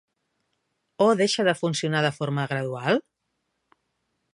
O deixa de funcionar de forma gradual?